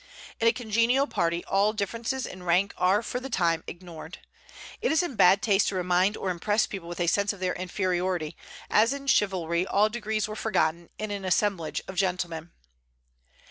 In a congenial party all differences in rank are for the time ignored. It is in bad taste to remind or impress people with a sense of their inferiority, as in chivalry all degrees were forgotten in an assemblage of gentlemen."